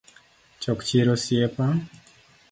Chok chir osiepa.